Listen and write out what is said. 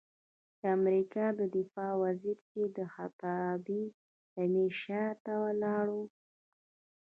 د امریکا د دفاع وزیر چې د خطابې د میز شاته ولاړ و،